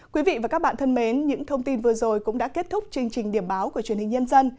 quý vị và các bạn thân mến những thông tin vừa rồi cũng đã kết thúc chương trình điểm báo của truyền hình nhân dân